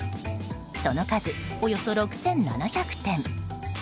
その数、およそ６７００点。